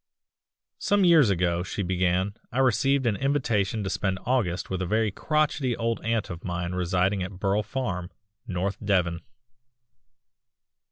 "Some years ago," she began, "I received an invitation to spend August with a very crochety old aunt of mine residing at Burle Farm, North Devon.